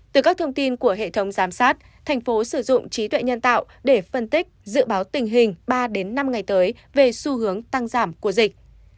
từ các thông tin của hệ thống giám sát thành phố sử dụng trí tuệ nhân tạo để phân tích dự báo tình hình ba năm ngày tới về xu hướng tăng giảm của dịch